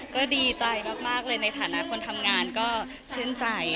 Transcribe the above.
ก็ดีใจมากเลยในฐานะคนทำงานก็ชื่นใจ